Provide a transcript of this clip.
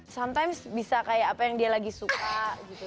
sometime bisa kayak apa yang dia lagi suka gitu